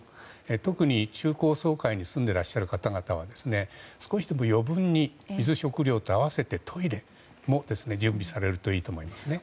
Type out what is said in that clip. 特に中高層階に住んでいらっしゃる方は少しでも余分に水、食糧に併せてトイレも準備されるといいと思いますね。